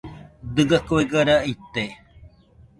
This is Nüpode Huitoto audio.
Dɨga kuega raa ite.